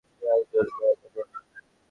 গায়ে জোর কই তোদের?